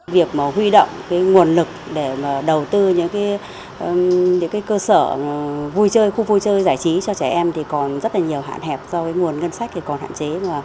việc mà huy động nguồn lực để mà đầu tư những cơ sở vui chơi khu vui chơi giải trí cho trẻ em thì còn rất là nhiều hạn hẹp do nguồn ngân sách thì còn hạn chế